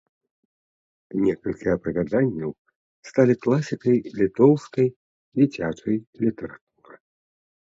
Некалькі апавяданняў сталі класікай літоўскай дзіцячай літаратуры.